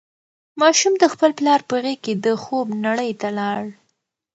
ماشوم د خپل پلار په غېږ کې د خوب نړۍ ته لاړ.